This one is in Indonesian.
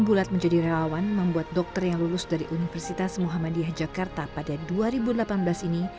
bulat menjadi relawan membuat dokter yang lulus dari universitas muhammadiyah jakarta pada dua ribu delapan belas ini